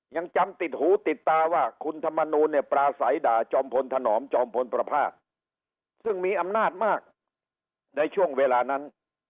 ยังจำติดหูติดตาว่าคุณธรรมนูลเนี่ยปลาใสด่าจอมพลถนอมจอมพลประพาทซึ่งมีอำนาจมากในช่วงเวลานั้น